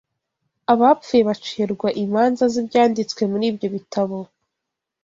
Abapfuye bacirwa imanza z’ibyanditswe muri ibyo bitabo